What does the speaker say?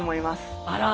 あら。